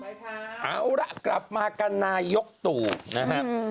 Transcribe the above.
เอาละกลับมากันนายกตู่นะฮะ